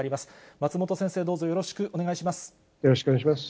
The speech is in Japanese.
松本先生、どうぞよろしくお願いします。